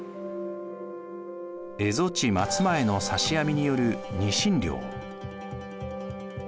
蝦夷地・松前の刺し網によるにしん漁。